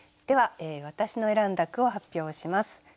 では私の選んだ句を発表します。